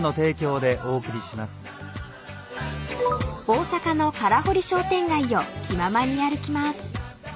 ［大阪の空堀商店街を気ままに歩きます］